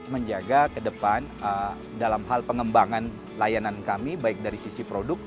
menjaga ke depan dalam hal pengembangan layanan kami baik dari sisi produk